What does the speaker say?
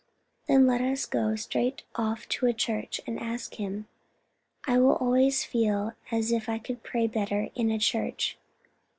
"Then let us go straight off to a church and ask Him. I always feel as if I could pray better in a church."